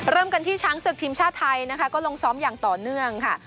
เริ่มกันที่ช้างศึกทีมชาติไทยนะคะก็ลงซ้อมอย่างต่อเนื่องค่ะ